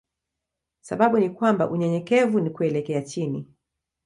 Sababu ni kwamba unyenyekevu ni kuelekea chini.